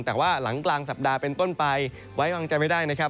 แต่ว่าหลังกลางสัปดาห์เป็นต้นไปไว้วางใจไม่ได้นะครับ